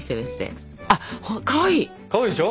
かわいいでしょ？